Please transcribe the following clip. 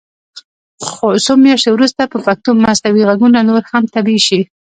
څو میاشتې وروسته به پښتو مصنوعي غږونه نور هم طبعي شي.